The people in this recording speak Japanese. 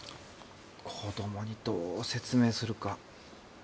子どもにどう説明するか。